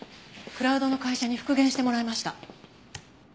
クラウドの会社に復元してもらいました。